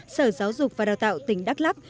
sở giáo dục và đào tạo tỉnh đắk lắc